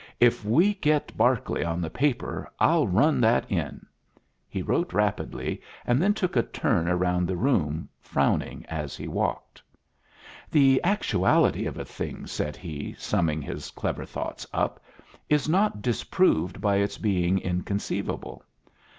If we get Berkeley on the paper, I'll run that in." He wrote rapidly, and then took a turn around the room, frowning as he walked. "The actuality of a thing," said he, summing his clever thoughts up, "is not disproved by its being inconceivable.